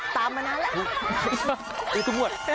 ตามมาหน้าวด